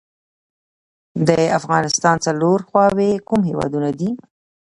د افغانستان څلور خواوې کوم هیوادونه دي؟